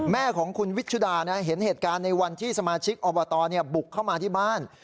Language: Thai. แม่ของคุณวิชุดาเห็นเหตุการณ์ในวันที่สมาชิกอบตบุกเข้ามาที่บ้าน